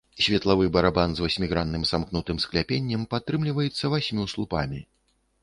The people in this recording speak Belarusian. Светлавы барабан з васьмігранным самкнутым скляпеннем падтрымліваецца васьмю слупамі.